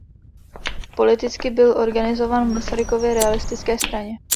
Politicky byl organizován v Masarykově realistické straně.